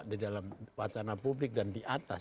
di dalam wacana publik dan di atas